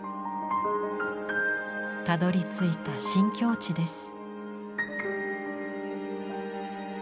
たどりついた新境地です。